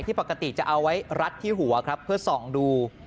ปกติจะเอาไว้รัดที่หัวครับเพื่อส่องดู